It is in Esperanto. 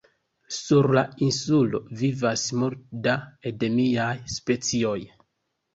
Sur la insulo vivas multe da endemiaj specioj.